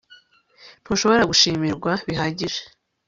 ntushobora gushimirwa bihagije